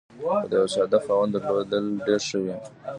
خو د یوه ساده خاوند درلودل ډېر ښه وي.